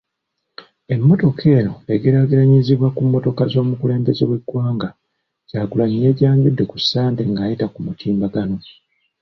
Emmotoka eno egeraageranyizibwa ku mmotoka z'omukulembeze w'eggwanga, Kyagulanyi yajanjudde ku Ssande ng'ayita ku mutimbagano.